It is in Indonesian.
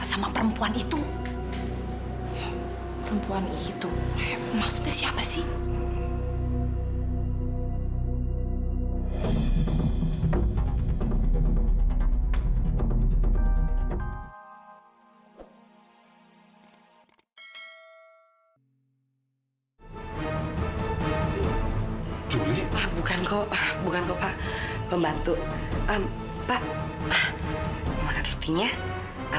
sampai jumpa di video selanjutnya